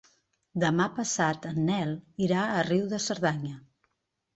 Demà passat en Nel irà a Riu de Cerdanya.